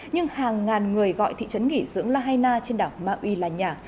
nhưng hàng ngàn người gọi thị trấn nghỉ dưỡng lahaina trên đảo maui là nhà